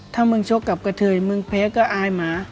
ถ้ามึงชกกับกระเทยมึงแพ้ก็อายหมา